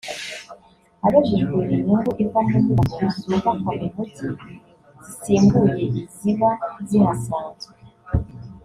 Abajijwe inyungu iva mu nyubako zubakwa mu Mujyi zisimbuye iziba zihasanzwe